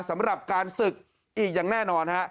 สำหรับการศึกอีกอย่างแน่นอนฮะ